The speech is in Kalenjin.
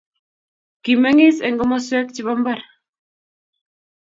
Kimengiis eng komoswek chebo mbar